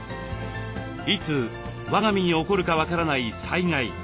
いつわが身に起こるか分からない災害。